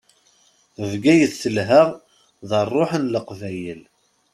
Bgayet telha, d ṛṛuḥ n leqbayel.